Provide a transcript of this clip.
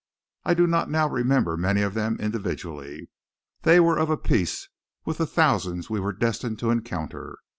I do not now remember many of them individually. They were of a piece with the thousands we were destined to encounter.